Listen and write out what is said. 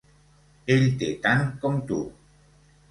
Ell té tant com tu.